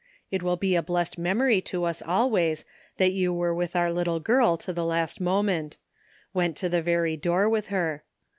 It will be a blessed memory to us always that you were with our little girl to the last moment — went to the very door with her.